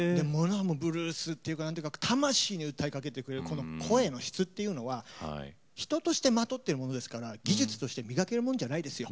ブルースというか魂に訴えかけてくるこの声の質っていうのは人としてまとってるものですから技術として磨けるもんじゃないですよ。